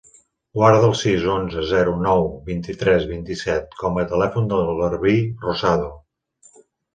Guarda el sis, onze, zero, nou, vint-i-tres, vint-i-set com a telèfon del Garbí Rosado.